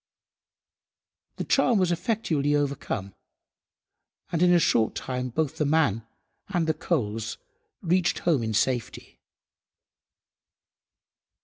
The charm was effectually overcome, and in a short time both the man and the coals reached home in safety.